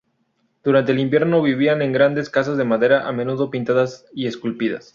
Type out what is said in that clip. Durante el invierno vivían en grandes casas de madera a menudo pintadas y esculpidas.